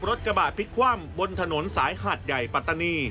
กระบาดพลิกคว่ำบนถนนสายหาดใหญ่ปัตตานี